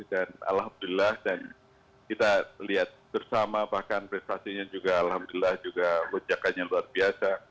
dan alhamdulillah kita lihat bersama bahkan prestasinya juga alhamdulillah juga lecakannya luar biasa